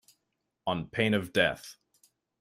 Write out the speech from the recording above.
On pain of death.